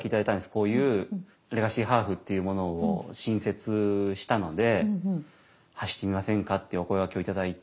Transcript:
こういうレガシーハーフっていうものを新設したので走ってみませんかってお声がけを頂いて。